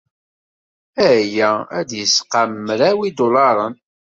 Aya ad d-yesqam mraw n yidulaṛen.